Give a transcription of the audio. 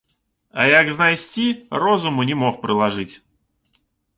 А як знайсці, розуму не мог прылажыць.